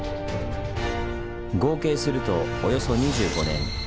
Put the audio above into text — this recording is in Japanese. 合計するとおよそ２５年。